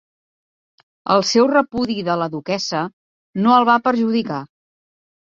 El seu repudi de la duquessa no el va perjudicar.